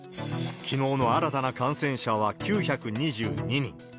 きのうの新たな感染者は９２２人。